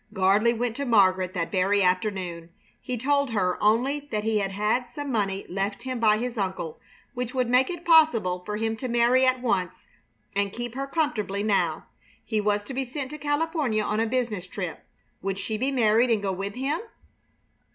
Gardley went to Margaret that very afternoon. He told her only that he had had some money left him by his uncle, which would make it possible for him to marry at once and keep her comfortably now. He was to be sent to California on a business trip. Would she be married and go with him?